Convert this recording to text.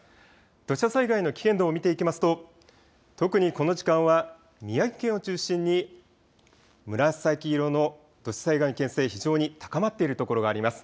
土砂災害の危険度を見ていきますと特にこの時間は宮城県を中心に紫色の土砂災害の危険性、非常に高まっている所があります。